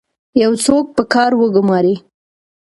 یو څوک په کار وګمارئ.